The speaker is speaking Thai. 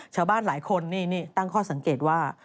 ชาวบ้านหลายคนนี่ตั้งข้อสังเกตว่า